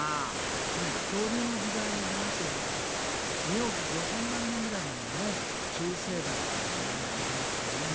恐竜の時代に話を移すとね２億５，０００万年ぐらい前にね中生代っていう時代が始まったんだよね。